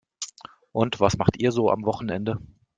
Und was macht ihr so am Wochenende?